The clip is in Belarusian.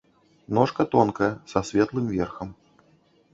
Ножка тонкая, са светлым верхам.